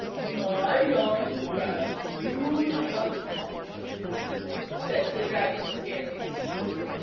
"My young friend, you shut up," said the dragon severely.